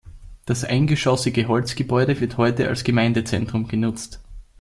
Das eingeschossige Holzgebäude wird heute als Gemeindezentrum genutzt.